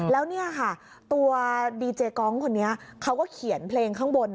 แล้วเนี่ยค่ะตัวดีเจกองคนนี้เขาก็เขียนเพลงข้างบน